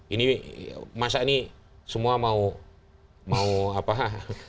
ini masa ini semua mau mau mau